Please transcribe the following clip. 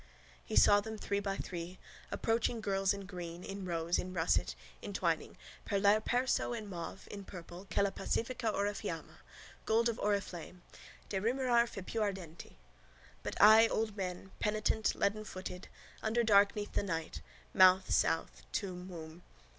He saw them three by three, approaching girls, in green, in rose, in russet, entwining, per l'aer perso, in mauve, in purple, quella pacifica oriafiamma, gold of oriflamme, di rimirar fè più ardenti. But I old men, penitent, leadenfooted, underdarkneath the night: mouth south: tomb womb.